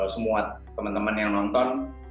semua teman teman yang nonton